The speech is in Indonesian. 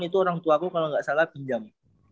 itu orang tua aku kalo gak salah pinjam